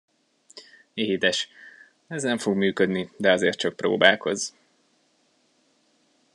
Édes, ez nem fog működni, de azért csak próbálkozz.